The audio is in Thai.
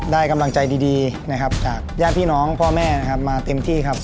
ได้กำลังใจดีจากแยกพี่น้องพ่อแม่มาเต็มที่ครับ